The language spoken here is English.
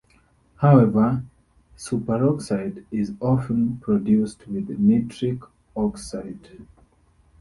However, superoxide is often produced with nitric oxide.